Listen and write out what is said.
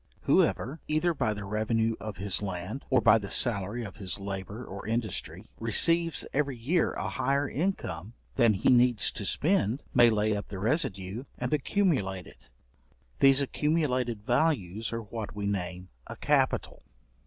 Whoever, either by the revenue of his land, or by the salary of his labour or industry, receives every year a higher income than he needs to spend, may lay up the residue and accumulate it: these accumulated values are what we name a capital.